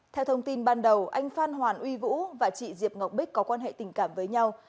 theo thông tin ban đầu anh phan hoàn uy vũ và chị diệp ngọc bích có quan hệ tình cảm với nhau